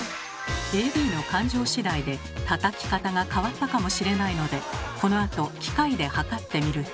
ＡＤの感情次第でたたき方が変わったかもしれないのでこのあと機械で測ってみると。